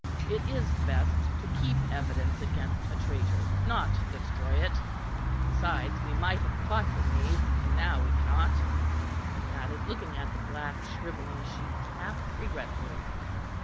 It is best to keep evidence against a traitor, not destroy it. Besides, we might have caught the knave, and now we cannot," he added, looking at the black shrivelling sheet half regretfully.